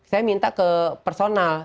saya minta ke personal